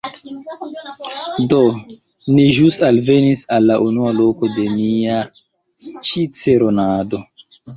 Do, ni ĵus alvenis al la unua loko de nia ĉiceronado